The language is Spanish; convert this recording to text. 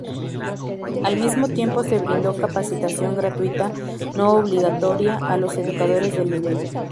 Al mismo tiempo se brindó capacitación gratuita, no obligatoria, a los educadores del nivel.